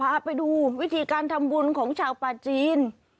พาไปดูวิธีการทำบุญของชาวปาจีน